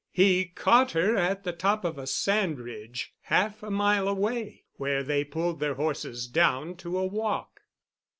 He caught her at the top of a sand ridge half a mile away, where they pulled their horses down to a walk.